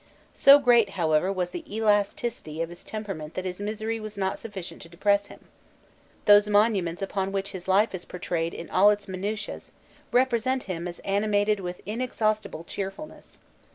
So great, however, was the elasticity of his temperament that his misery was not sufficient to depress him: those monuments upon which his life is portrayed in all its minutias, represent him as animated with inexhaustible cheerfulness.